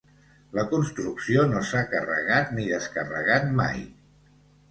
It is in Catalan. La construcció no s'ha carregat ni descarregat mai.